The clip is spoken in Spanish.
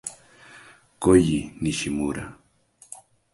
Koji Nishimura